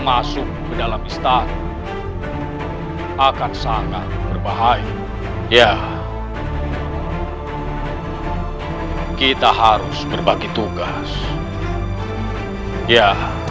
masuk ke dalam istana akan sangat berbahaya ya kita harus berbagi tugas ya